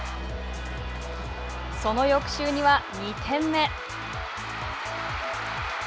その翌週には２点目。